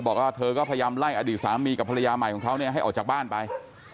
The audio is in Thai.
บอกว่าเธอก็พยายามไล่อดีตสามีกับภรรยาใหม่ของเขาเนี่ยให้ออกจากบ้านไป